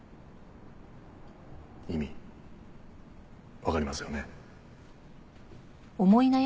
意味わかりますよね？